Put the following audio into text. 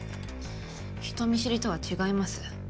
人見知りとは違います。